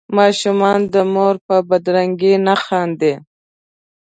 ماشومان د مور په بدرنګۍ نه خاندي.